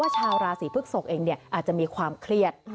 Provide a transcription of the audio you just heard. ชาวราศีพฤกษกเองอาจจะมีความเครียด